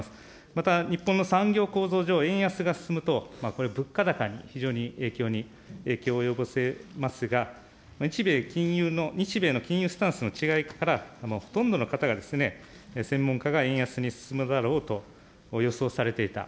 また、日本の産業構造上、円安が進むと、これ、物価高に非常に影響を及ぼしますが、日米金融の、日米の金融スタンスの違いから、ほとんどの方が専門家が円安に進むだろうと予想されていた。